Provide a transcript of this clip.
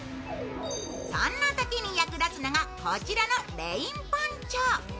そんなときに役立つのがこちらのレインポンチョ。